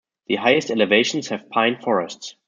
The highest elevations have pine forests.